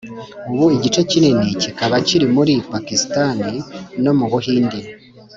ubu igice kinini kikaba kiri muri pakisitani no mu buhindi.